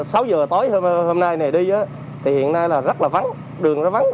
sáu h tối hôm nay đi hiện nay rất là vắng đường rất là vắng